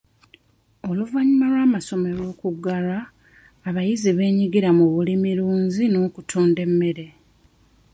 Oluvannyuma lw'amasomero okuggalwa, abayizi beenyigira mu bulimirunzi n'okutunda emmere.